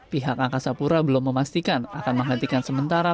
pihak angkasa pura belum memastikan akan menghentikan sementara